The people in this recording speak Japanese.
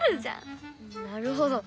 なるほど！